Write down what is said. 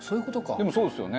でもそうですよね。